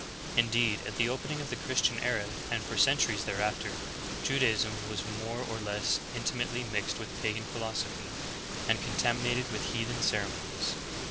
^ Indeed, at the opening of the Chris tian era and for centuries thereafter, Judaism was more or less intimately mixed with pagan philosophy, and contam inated with heathen ceremonies.